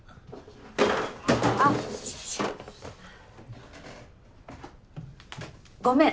あ。ごめん。